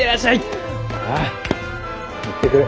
ああ行ってくる！